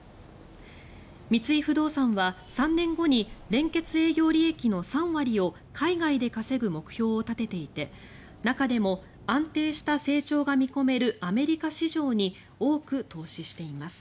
三井不動産は３年後に連結営業利益の３割を海外で稼ぐ目標を立てていて中でも、安定した成長が見込めるアメリカ市場に多く投資しています。